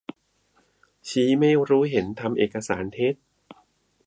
ชี้ไม่รู้เห็นทำเอกสารเท็จ